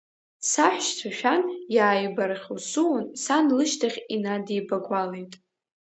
Саҳәшьцәа шәан, иааибархьусуун, сан лышьҭахь инадибагуалеит.